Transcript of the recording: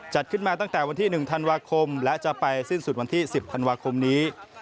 จัดขึ้นมาตั้งแต่วันที่๑ธันวาคมและจะไปสิ้นสุดวันที่๑๐ธันวาคมนี้